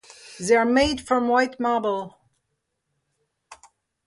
They are made from white marble.